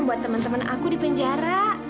buat teman teman aku di penjara